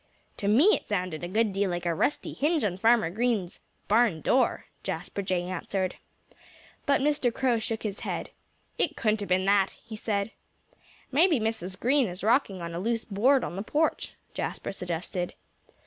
"To me it sounded a good deal like a rusty hinge on Farmer Green's barn door," Jasper Jay answered. But Mr. Crow shook his head. "It couldn't have been that," he said. "Maybe Mrs. Green is rocking on a loose board on the porch," Jasper suggested.